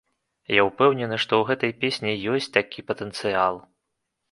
Я ўпэўнены, што ў гэтай песні ёсць такі патэнцыял.